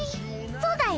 そうだよ。